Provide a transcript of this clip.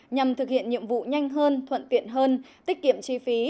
nhằm thực hiện nhiệm vụ nhanh hơn thuận tiện hơn tiết kiệm chi phí